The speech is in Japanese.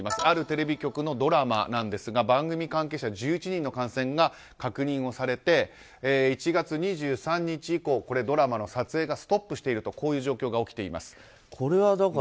あるテレビ局のドラマなんですが番組関係者１１人の感染が確認をされて１月２３日以降、ドラマの撮影がストップしているという状況が起きています。